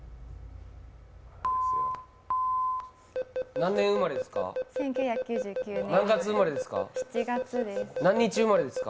何年生まれですか？